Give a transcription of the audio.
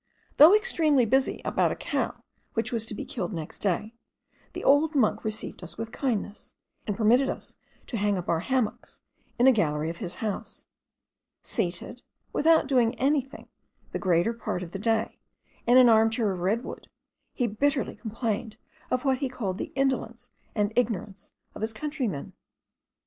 Though extremely busy about a cow which was to be killed next day, the old monk received us with kindness, and permitted us to hang up our hammocks in a gallery of his house. Seated, without doing anything, the greater part of the day, in an armchair of red wood, he bitterly complained of what he called the indolence and ignorance of his countrymen.